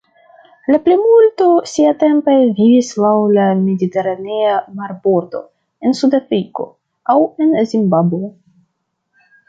La plimulto siatempe vivis laŭ la mediteranea marbordo, en Sudafriko, aŭ en Zimbabvo.